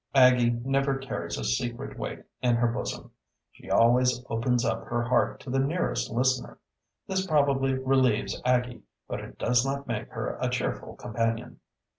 Aggie never carries a secret weight in her bosom. She always opens up her heart to the nearest listener. This probably relieves Aggie, but it does not make her a cheerful companion.